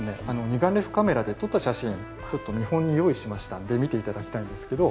二眼レフカメラで撮った写真をちょっと見本に用意しましたので見て頂きたいんですけど。